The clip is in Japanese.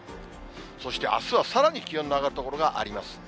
そしてあすはさらに気温の上がる所があります。